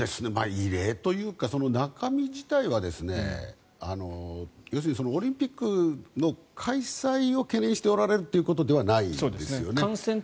異例というか、その中身自体は要するにオリンピックの開催を懸念しておられるということではないですよね。